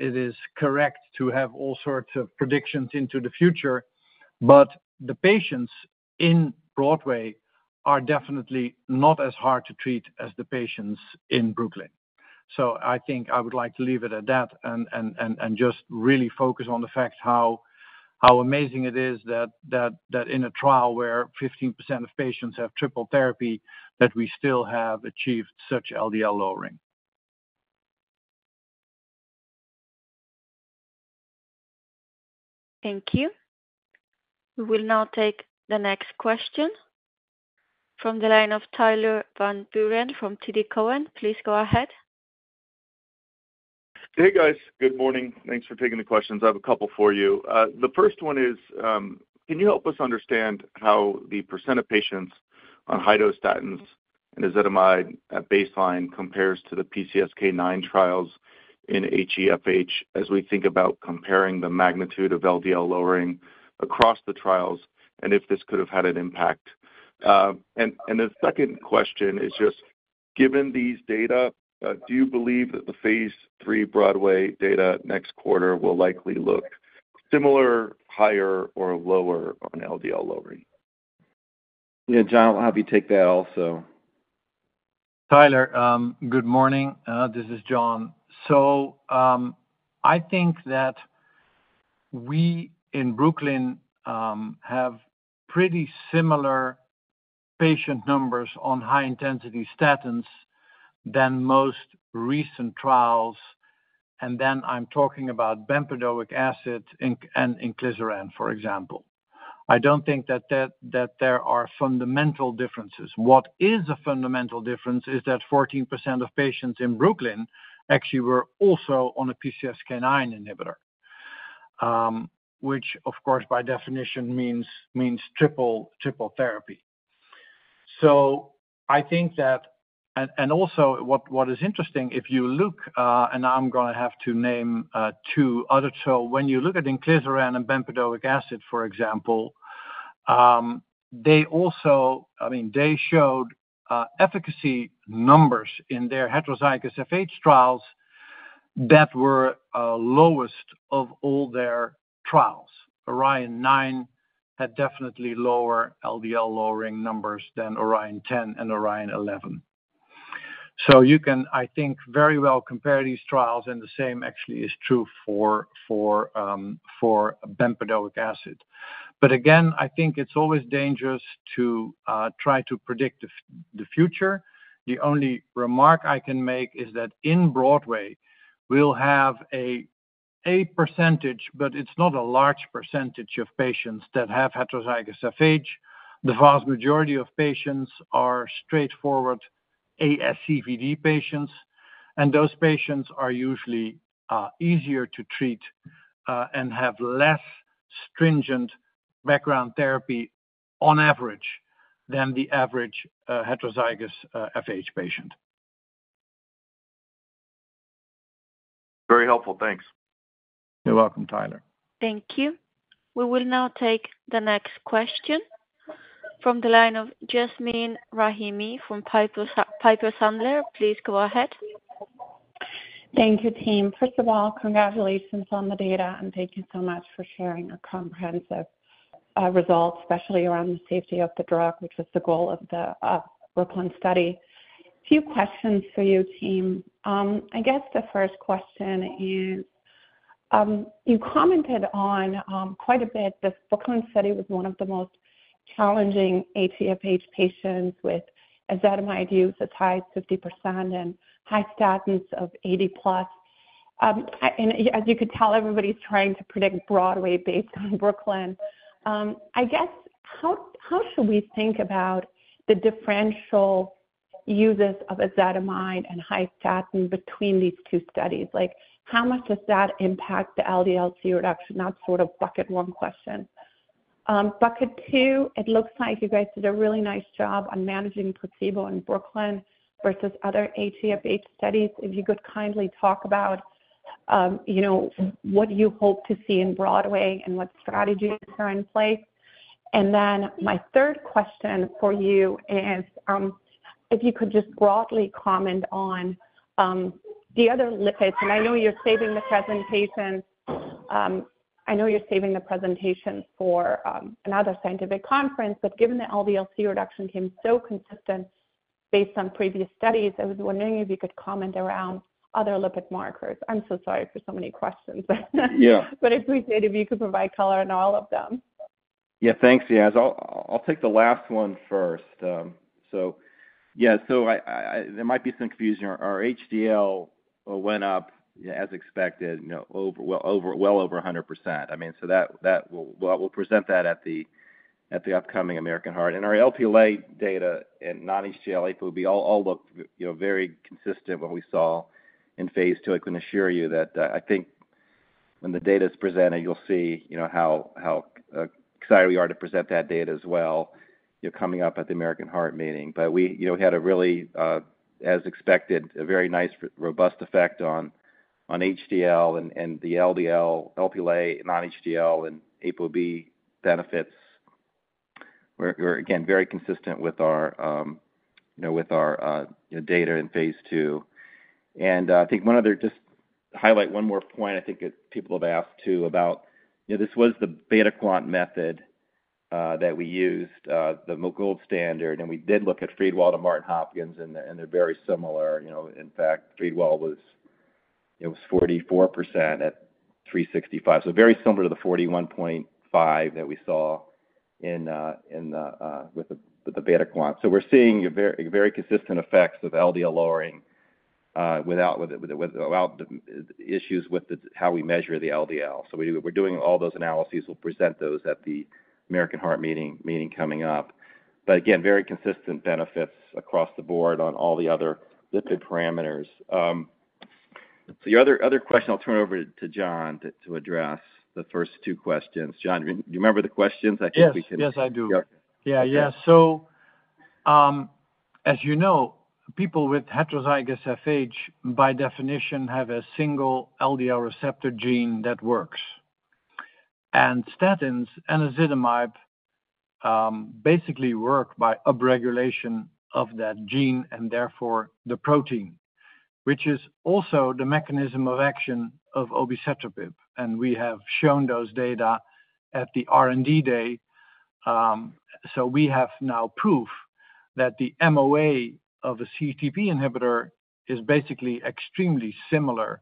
is correct to have all sorts of predictions into the future, but the patients in BROADWAY are definitely not as hard to treat as the patients in BROOKLYN. So I think I would like to leave it at that and just really focus on the fact how amazing it is that in a trial where 15% of patients have triple therapy, that we still have achieved such LDL lowering. Thank you. We will now take the next question from the line of Tyler Van Buren from TD Cowen. Please go ahead. Hey, guys. Good morning. Thanks for taking the questions. I have a couple for you. The first one is, can you help us understand how the percent of patients on high-dose statins and ezetimibe at baseline compares to the PCSK9 trials in HeFH, as we think about comparing the magnitude of LDL lowering across the trials, and if this could have had an impact? And the second question is just, given these data, do you believe that the phase III BROADWAY data next quarter will likely look similar, higher, or lower on LDL lowering? Yeah, John, I'll have you take that also. Tyler, good morning. This is John. So, I think that we, in BROOKLYN, have pretty similar patient numbers on high-intensity statins than most recent trials, and then I'm talking about bempedoic acid and inclisiran, for example. I don't think that there are fundamental differences. What is a fundamental difference is that 14% of patients in BROOKLYN actually were also on a PCSK9 inhibitor, which of course by definition means triple therapy. So I think that... And also what is interesting, if you look, and I'm gonna have to name two other trial. When you look at inclisiran and bempedoic acid, for example, they also I mean, they showed efficacy numbers in their heterozygous FH trials that were lowest of all their trials. ORION-9 had definitely lower LDL lowering numbers than ORION-10 and ORION-11. So you can, I think, very well compare these trials, and the same actually is true for bempedoic acid. But again, I think it's always dangerous to try to predict the future. The only remark I can make is that in BROADWAY, we'll have a percentage, but it's not a large percentage of patients that have heterozygous FH. The vast majority of patients are straightforward ASCVD patients, and those patients are usually easier to treat and have less stringent background therapy on average than the average heterozygous FH patient. Very helpful. Thanks. You're welcome, Tyler. Thank you. We will now take the next question from the line of Yasmeen Rahimi from Piper Sandler. Please go ahead. Thank you, team. First of all, congratulations on the data, and thank you so much for sharing your comprehensive results, especially around the safety of the drug, which was the goal of the BROOKLYN study. A few questions for you, team. I guess the first question is, you commented on quite a bit, this BROOKLYN study was one of the most challenging HeFH patients with ezetimibe use, as high as 50% and high statins of 80+. And as you could tell, everybody's trying to predict BROADWAY based on BROOKLYN. I guess, how should we think about the differential uses of ezetimibe and high statin between these two studies? Like, how much does that impact the LDL-C reduction? That's sort of bucket one question. Bucket two, it looks like you guys did a really nice job on managing placebo in BROOKLYN versus other HeFH studies. If you could kindly talk about, you know, what do you hope to see in BROADWAY and what strategies are in place? And then my third question for you is, if you could just broadly comment on the other lipids. And I know you're saving the presentation, I know you're saving the presentation for another scientific conference, but given the LDL-C reduction came so consistent based on previous studies, I was wondering if you could comment around other lipid markers. I'm so sorry for so many questions. Yeah. I'd appreciate if you could provide color on all of them. Yeah, thanks, Yaz. I'll take the last one first. So yeah, so I, there might be some confusion. Our HDL went up, as expected, you know, over, well over 100%. I mean, so that we'll present that at the upcoming American Heart. And our LPLA data and non-HDL ApoB all look, you know, very consistent what we saw in phase II. I can assure you that I think when the data is presented, you'll see, you know, how excited we are to present that data as well, you're coming up at the American Heart Meeting. But we, you know, had a really, as expected, a very nice, robust effect on HDL and the LDL, LPLA, non-HDL, and ApoB benefits were, again, very consistent with our, you know, with our data in phase II. And, I think one other... Just highlight one more point. I think people have asked, too, about, you know, this was the beta-quant method that we used, the gold standard, and we did look at Friedewald and Martin Hopkins, and they’re very similar. You know, in fact, Friedewald was, it was 44% at 365. So very similar to the 41.5 that we saw in the beta-quant. So we're seeing a very, very consistent effects of LDL lowering without the issues with how we measure the LDL. So we're doing all those analyses. We'll present those at the American Heart Meeting coming up. But again, very consistent benefits across the board on all the other lipid parameters. The other question, I'll turn it over to John to address the first two questions. John, do you remember the questions? I think we can- Yes, yes, I do. Yeah. Yeah, yeah. So, as you know, people with heterozygous FH, by definition, have a single LDL receptor gene that works. And statins and ezetimibe basically work by upregulation of that gene, and therefore, the protein, which is also the mechanism of action of obicetrapib, and we have shown those data at the R&D day. So we have now proof that the MOA of a CETP inhibitor is basically extremely similar to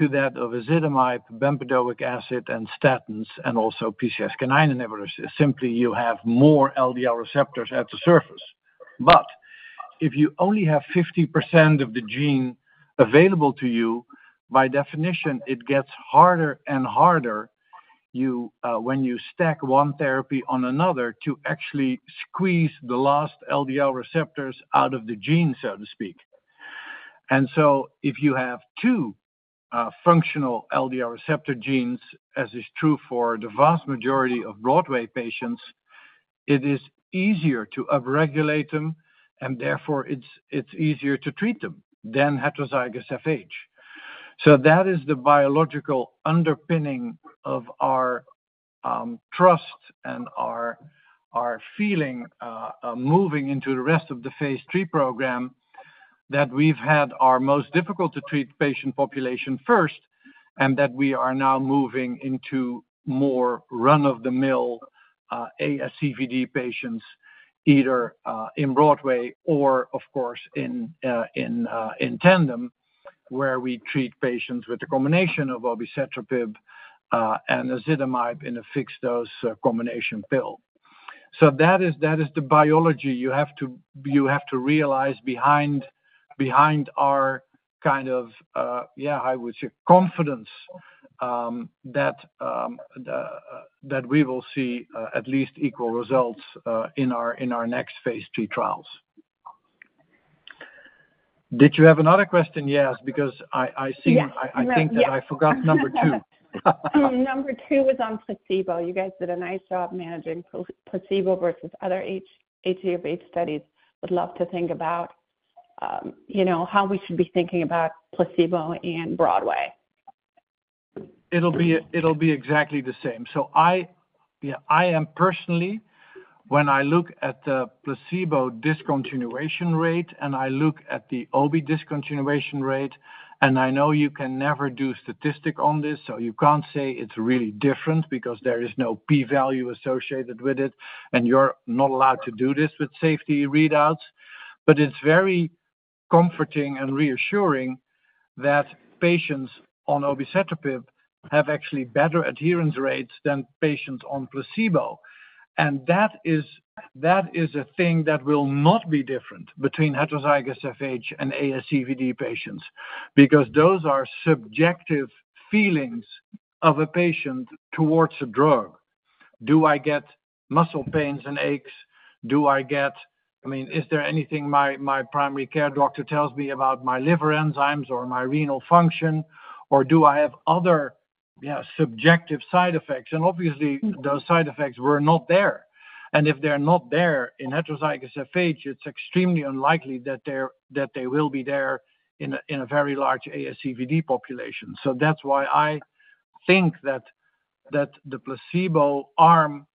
that of ezetimibe, bempedoic acid, and statins, and also PCSK9 inhibitors. Simply, you have more LDL receptors at the surface. But if you only have 50% of the gene available to you, by definition, it gets harder and harder when you stack one therapy on another, to actually squeeze the last LDL receptors out of the gene, so to speak. So if you have two functional LDL receptor genes, as is true for the vast majority of BROADWAY patients, it is easier to upregulate them, and therefore, it's easier to treat them than heterozygous FH. So that is the biological underpinning of our trust and our feeling moving into the rest of the phase III program, that we've had our most difficult-to-treat patient population first, and that we are now moving into more run-of-the-mill ASCVD patients, either in BROADWAY or, of course, in TANDEM, where we treat patients with a combination of obicetrapib and ezetimibe in a fixed-dose combination pill. So that is the biology you have to realize behind our kind of, yeah, I would say, confidence that we will see at least equal results in our next phase III trials. Did you have another question, Yaz? Because I see- Yes. I think that I forgot number two. Number two was on placebo. You guys did a nice job managing placebo versus other HeFH studies. Would love to think about, you know, how we should be thinking about placebo and BROADWAY. It'll be, it'll be exactly the same. So, yeah, I am personally, when I look at the placebo discontinuation rate and I look at the obi discontinuation rate, and I know you can never do statistic on this, so you can't say it's really different because there is no p-value associated with it, and you're not allowed to do this with safety readouts. But it's very comforting and reassuring that patients on obicetrapib have actually better adherence rates than patients on placebo. And that is, that is a thing that will not be different between heterozygous FH and ASCVD patients, because those are subjective feelings of a patient towards a drug. Do I get muscle pains and aches? Do I get-- I mean, is there anything my, my primary care doctor tells me about my liver enzymes or my renal function, or do I have other, yeah, subjective side effects? Obviously, those side effects were not there. If they're not there in heterozygous FH, it's extremely unlikely that they will be there in a very large ASCVD population. That's why I think that the placebo arm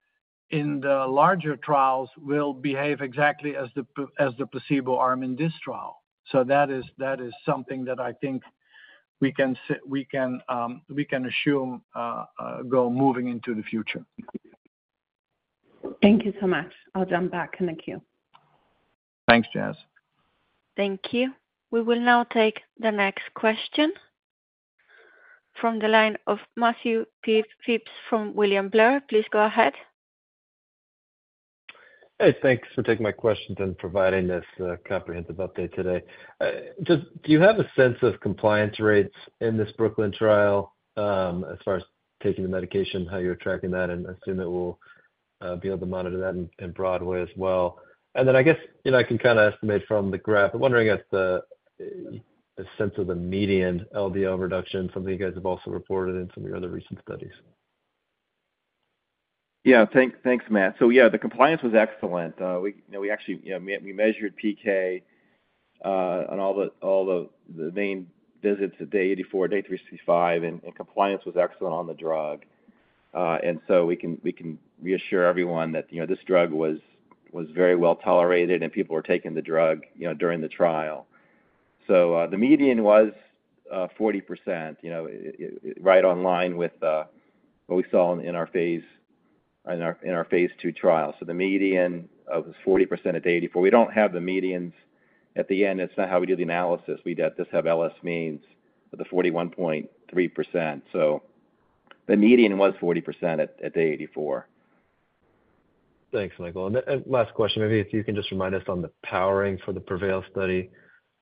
in the larger trials will behave exactly as the placebo arm in this trial. That is something that I think we can assume, go moving into the future. Thank you so much. I'll jump back in the queue. Thanks, Yaz. Thank you. We will now take the next question from the line of Matthew P. Phipps from William Blair. Please go ahead. Hey, thanks for taking my questions and providing this, comprehensive update today. Just do you have a sense of compliance rates in this BROOKLYN trial, as far as taking the medication, how you're tracking that? And I assume that we'll, be able to monitor that in BROADWAY as well. And then I guess, you know, I can kinda estimate from the graph. I'm wondering if a sense of the median LDL reduction, something you guys have also reported in some of your other recent studies. Yeah. Thanks, Matt. So yeah, the compliance was excellent. We actually measured PK on all the main visits at day 84, day 365, and compliance was excellent on the drug. And so we can reassure everyone that, you know, this drug was very well tolerated, and people were taking the drug, you know, during the trial. So, the median was 40%, you know, right on line with what we saw in our phase II trial. So the median of 40% at day 84. We don't have the medians at the end. It's not how we do the analysis. We just have LS means at the 41.3%. The median was 40% at day 84. Thanks, Michael. Last question, maybe if you can just remind us on the powering for the PREVAIL study.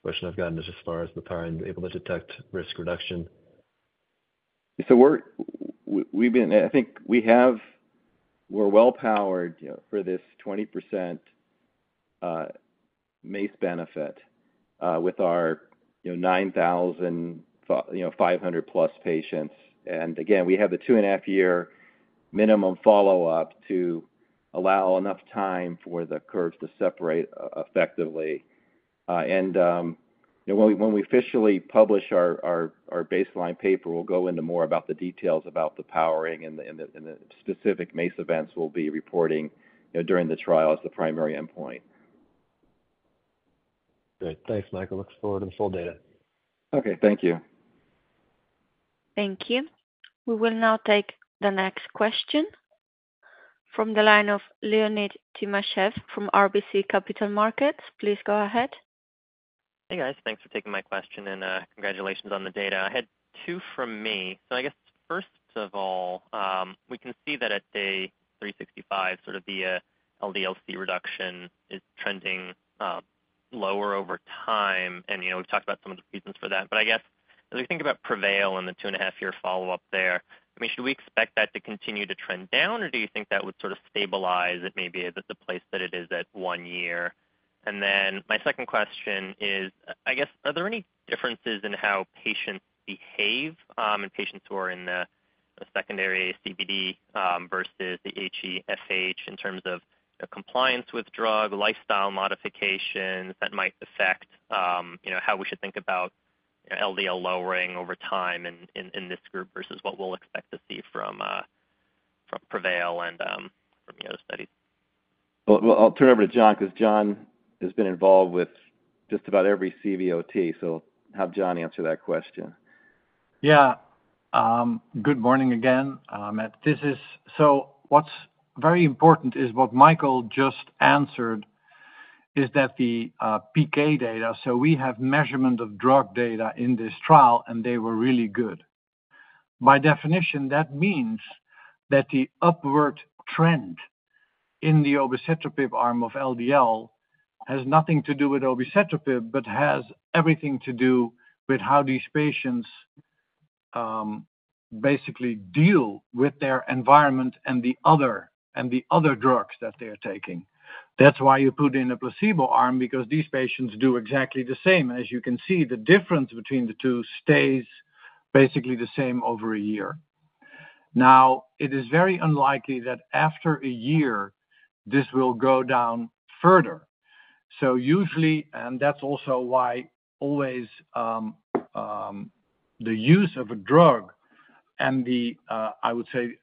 Question I've gotten just as far as the powering able to detect risk reduction. So we're well-powered, you know, for this 20% MACE benefit with our, you know, 9,500 plus patients. And again, we have a 2.5-year minimum follow-up to allow enough time for the curves to separate effectively. And, you know, when we officially publish our baseline paper, we'll go into more about the details about the powering and the specific MACE events we'll be reporting, you know, during the trial as the primary endpoint. Good. Thanks, Michael. Look forward to this whole data. Okay. Thank you. Thank you. We will now take the next question from the line of Leonid Timashev from RBC Capital Markets. Please go ahead. Hey, guys. Thanks for taking my question, and, congratulations on the data. I had two from me. So I guess, first of all, we can see that at day 365, sort of the LDL-C reduction is trending lower over time, and, you know, we've talked about some of the reasons for that. But I guess, as we think about PREVAIL and the 2.5-year follow-up there, I mean, should we expect that to continue to trend down, or do you think that would sort of stabilize it maybe at the place that it is at one year? Then my second question is, I guess, are there any differences in how patients behave in patients who are in the secondary CVD versus the HeFH in terms of compliance with drug, lifestyle modifications that might affect you know how we should think about LDL lowering over time in this group versus what we'll expect to see from PREVAIL and from the other studies? Well, well, I'll turn it over to John, 'cause John has been involved with just about every CVOT, so I'll have John answer that question. Yeah. Good morning again, Matt. So what's very important is what Michael just answered, is that the PK data. So we have measurement of drug data in this trial, and they were really good. By definition, that means that the upward trend in the obicetrapib arm of LDL has nothing to do with obicetrapib, but has everything to do with how these patients basically deal with their environment and the other, and the other drugs that they're taking. That's why you put in a placebo arm, because these patients do exactly the same. As you can see, the difference between the two stays basically the same over a year. Now, it is very unlikely that after a year, this will go down further. So usually, and that's also why always, the use of a drug and the, I would say,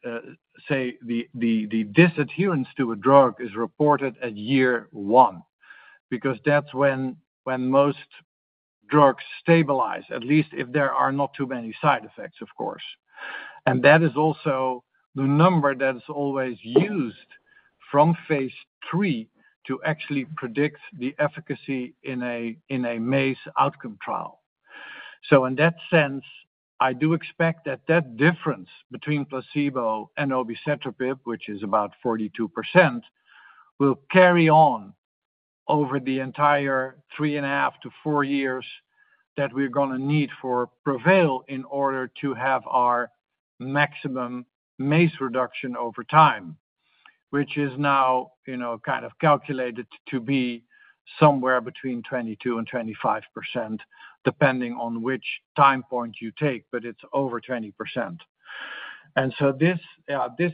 the disadherence to a drug is reported at year one, because that's when most drugs stabilize, at least if there are not too many side effects, of course. That is also the number that is always used from phase III to actually predict the efficacy in a MACE outcome trial. So in that sense, I do expect that that difference between placebo and obicetrapib, which is about 42%, will carry on over the entire 3.5-4 years that we're gonna need for PREVAIL in order to have our maximum MACE reduction over time, which is now, you know, kind of calculated to be somewhere between 22%-25%, depending on which time point you take, but it's over 20%. And so this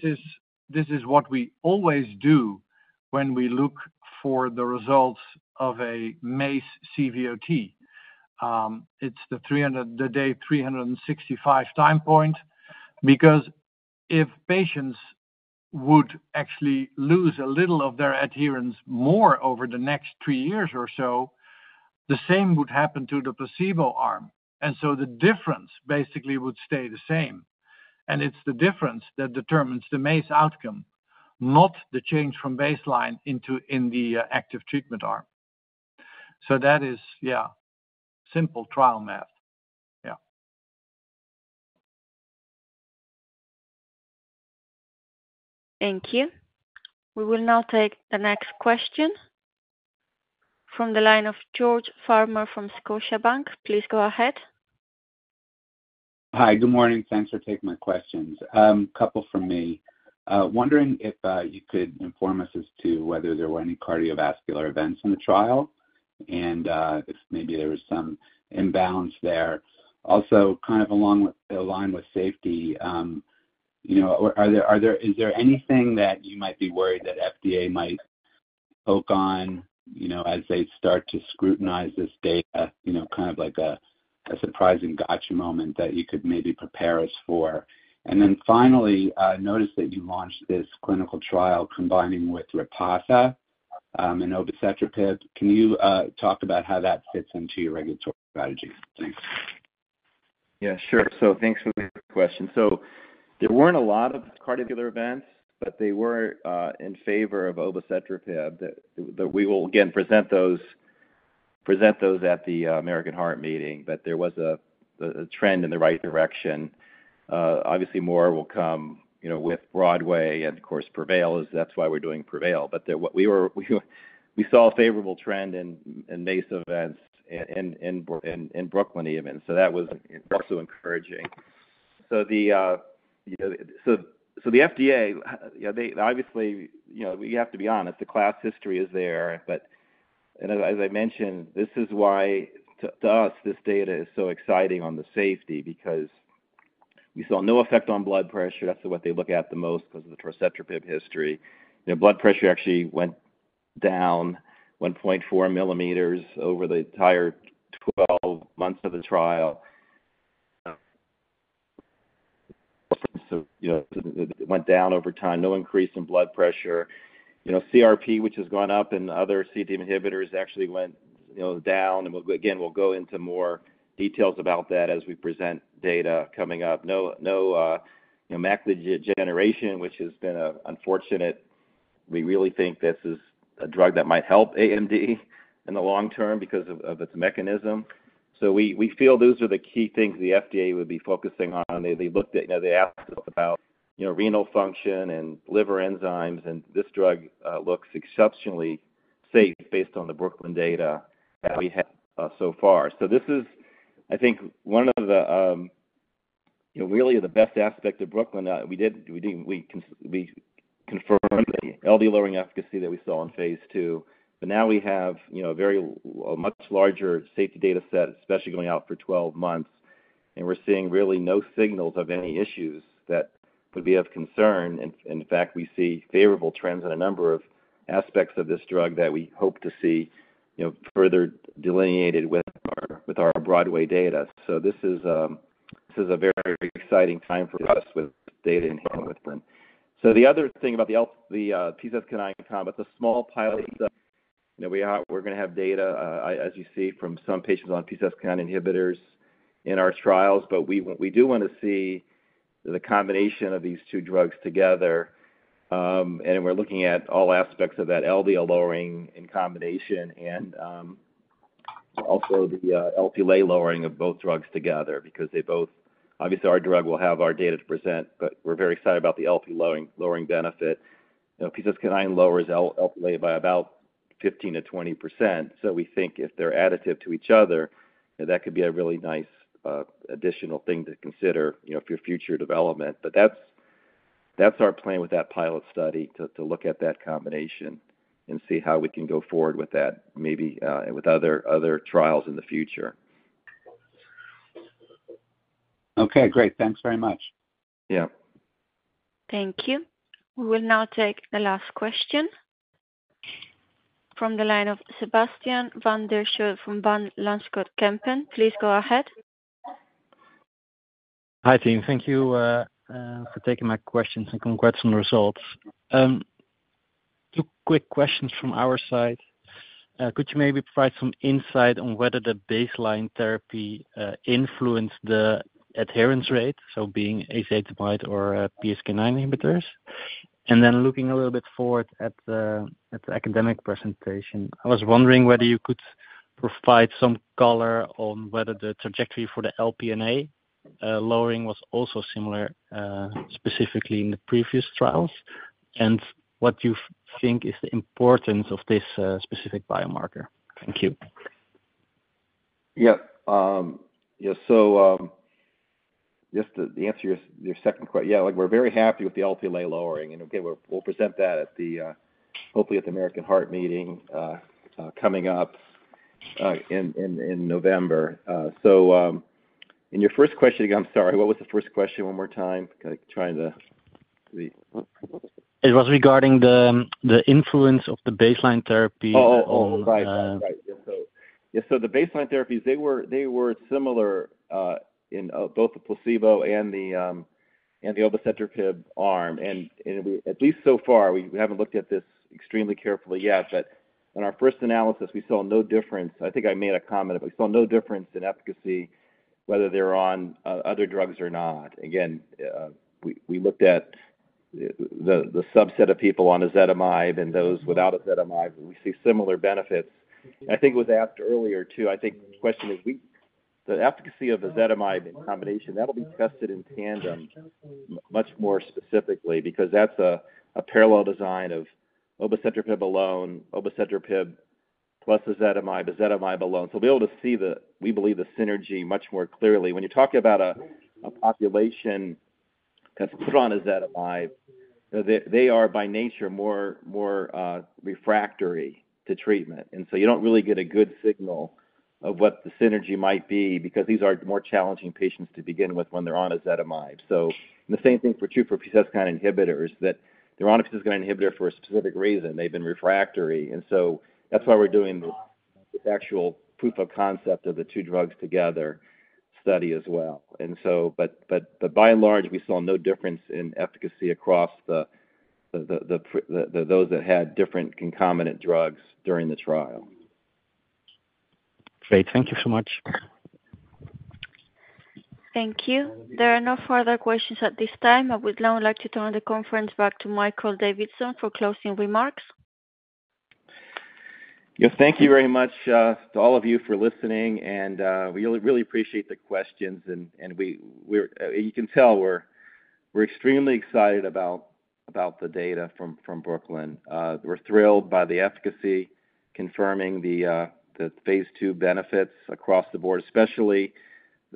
is what we always do when we look for the results of a MACE CVOT. It's the day 300, the day 365 time point, because if patients would actually lose a little of their adherence more over the next three years or so. The same would happen to the placebo arm, and so the difference basically would stay the same. It's the difference that determines the MACE outcome, not the change from baseline into the active treatment arm. So that is, yeah, simple trial math. Yeah. Thank you. We will now take the next question from the line of George Farmer from Scotiabank. Please go ahead. Hi, good morning. Thanks for taking my questions. Couple from me. Wondering if you could inform us as to whether there were any cardiovascular events in the trial and if maybe there was some imbalance there. Also, kind of along with, aligned with safety, you know, is there anything that you might be worried that FDA might poke on, you know, as they start to scrutinize this data, you know, kind of like a surprising gotcha moment that you could maybe prepare us for? And then finally, I noticed that you launched this clinical trial combining with Repatha and obicetrapib. Can you talk about how that fits into your regulatory strategy? Thanks. Yeah, sure. So thanks for the question. So there weren't a lot of cardiovascular events, but they were in favor of obicetrapib, but we will again present those at the American Heart Meeting. But there was a trend in the right direction. Obviously, more will come, you know, with BROADWAY, and of course, PREVAIL. That's why we're doing PREVAIL. But what we saw was a favorable trend in MACE events in BROOKLYN even. So that was also encouraging. So you know, so the FDA, you know, they obviously, you know, you have to be honest, the class history is there. But and as I mentioned, this is why to us, this data is so exciting on the safety, because we saw no effect on blood pressure. That's what they look at the most because of the obicetrapib history. You know, blood pressure actually went down 1.4 millimeters over the entire 12 months of the trial. So, you know, it went down over time. No increase in blood pressure. You know, CRP, which has gone up, and other CETP inhibitors actually went, you know, down. And we'll again, we'll go into more details about that as we present data coming up. No, no, you know, macular degeneration, which has been, unfortunate. We really think this is a drug that might help AMD in the long term because of, of its mechanism. So we, we feel those are the key things the FDA would be focusing on. They looked at, you know, they asked us about, you know, renal function and liver enzymes, and this drug looks exceptionally safe based on the BROOKLYN data that we have so far. So this is, I think, one of the, you know, really the best aspect of BROOKLYN. We confirmed the LDL lowering efficacy that we saw in phase II. But now we have, you know, a very much larger safety data set, especially going out for 12 months, and we're seeing really no signals of any issues that would be of concern. In fact, we see favorable trends in a number of aspects of this drug that we hope to see, you know, further delineated with our BROADWAY data. So this is a very exciting time for us with data in [BROOKLYN]. So the other thing about the PCSK9 combo, the small pilot study, you know, we are, we're gonna have data, as you see, from some patients on PCSK9 inhibitors in our trials. But we do want to see the combination of these two drugs together. And we're looking at all aspects of that LDL lowering in combination and also the LP lowering of both drugs together, because they both... Obviously, our drug will have our data to present, but we're very excited about the LP lowering benefit. You know, PCSK9 lowers LP by about 15%-20%. So we think if they're additive to each other, then that could be a really nice additional thing to consider, you know, for future development. That's our plan with that pilot study, to look at that combination and see how we can go forward with that, maybe with other trials in the future. Okay, great. Thanks very much. Yeah. Thank you. We will now take the last question from the line of Sebastiaan van der Schoot from Van Lanschot Kempen. Please go ahead. Hi, team. Thank you for taking my questions, and congrats on the results. Two quick questions from our side. Could you maybe provide some insight on whether the baseline therapy influenced the adherence rate, so being ezetimibe or PCSK9 inhibitors? And then looking a little bit forward at the academic presentation, I was wondering whether you could provide some color on whether the trajectory for the Lp(a) lowering was also similar, specifically in the previous trials, and what you think is the importance of this specific biomarker. Thank you. Yeah. Yeah, so just to answer your second question—yeah, like, we're very happy with the LP lowering, and okay, we'll present that at the, hopefully at the American Heart meeting coming up in November. So, in your first question, again, I'm sorry, what was the first question one more time? Like, trying to be- It was regarding the influence of the baseline therapy. Oh, oh, right. Right. Yeah, so, yeah, so the baseline therapies, they were, they were similar, in, both the placebo and the obicetrapib arm, and we, at least so far, we haven't looked at this extremely carefully yet, but in our first analysis, we saw no difference. I think I made a comment, but we saw no difference in efficacy, whether they're on other drugs or not. Again, we looked at the subset of people on ezetimibe and those without ezetimibe, and we see similar benefits. I think it was asked earlier, too, I think the question is the efficacy of ezetimibe in combination, that'll be tested in TANDEM much more specifically, because that's a parallel design of obicetrapib alone, obicetrapib plus ezetimibe, ezetimibe alone. So we'll be able to see the, we believe, the synergy much more clearly. When you talk about a population that's put on ezetimibe, they are by nature more refractory to treatment. And so you don't really get a good signal of what the synergy might be, because these are more challenging patients to begin with when they're on ezetimibe. So the same thing, too, for PCSK9 inhibitors, that they're on a PCSK9 inhibitor for a specific reason. They've been refractory. And so that's why we're doing the actual proof of concept of the two drugs together study as well. But by and large, we saw no difference in efficacy across those that had different concomitant drugs during the trial. Great. Thank you so much. Thank you. There are no further questions at this time. I would now like to turn the conference back to Michael Davidson for closing remarks. Yes, thank you very much to all of you for listening, and we really, really appreciate the questions, and we're extremely excited about the data from BROOKLYN. We're thrilled by the efficacy, confirming the phase II benefits across the board, especially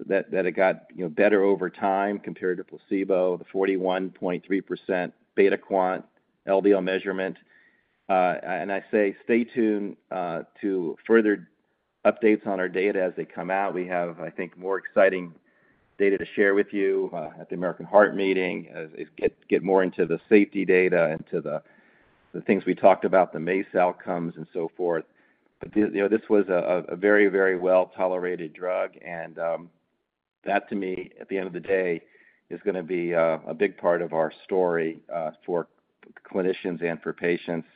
that it got, you know, better over time compared to placebo, the 41.3% beta quant LDL measurement. And I say stay tuned to further updates on our data as they come out. We have, I think, more exciting data to share with you at the American Heart Meeting, as we get more into the safety data and to the things we talked about, the MACE outcomes and so forth. You know, this was a very, very well-tolerated drug, and that to me, at the end of the day, is gonna be a big part of our story for clinicians and for patients.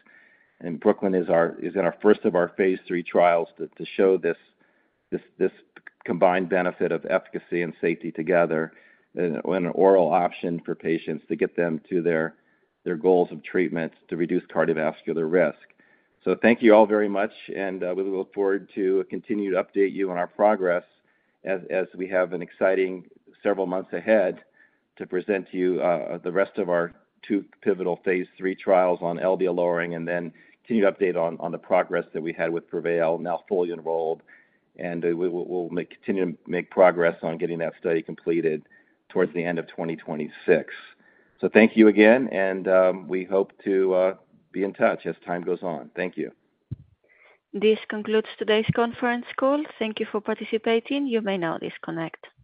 And BROOKLYN is our first of our phase III trials to show this combined benefit of efficacy and safety together in an oral option for patients to get them to their goals of treatment to reduce cardiovascular risk. So thank you all very much, and we look forward to continue to update you on our progress as we have an exciting several months ahead to present to you the rest of our two pivotal phase III trials on LDL lowering and then continue to update on the progress that we had with PREVAIL, now fully enrolled, and we'll make progress on getting that study completed towards the end of 2026. So thank you again, and we hope to be in touch as time goes on. Thank you. This concludes today's conference call. Thank you for participating. You may now disconnect.